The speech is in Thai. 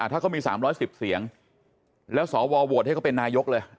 ถ้าเขามี๓๑๐เสียงแล้วสวโหวตให้เขาเป็นนายกเลย